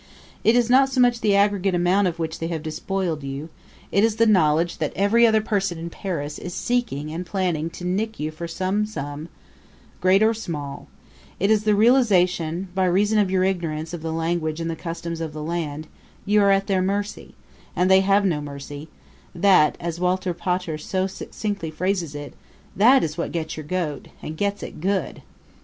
It is not so much the aggregate amount of which they have despoiled you it is the knowledge that every other person in Paris is seeking and planning to nick you for some sum, great or small; it is the realization that, by reason of your ignorance of the language and the customs of the land, you are at their mercy, and they have no mercy that, as Walter Pater so succinctly phrases it, that is what gets your goat and gets it good!